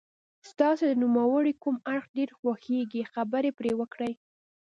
ستاسو د نوموړي کوم اړخ ډېر خوښیږي خبرې پرې وکړئ.